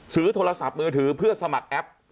ซื้อโทรศัพท์มือถือเพื่อสมัครแอป